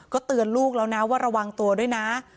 เตือนลูกแล้วนะว่าระวังตัวด้วยนะ